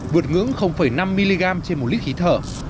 vượt ngưỡng năm mg trên một lít khí thở